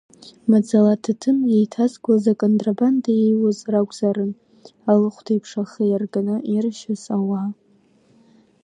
Маӡала аҭаҭын еиҭазгоз аконтрабанда еиуаз ракәзаарын, алыхәҭеиԥш ахы иарганы иршьыз ауаа…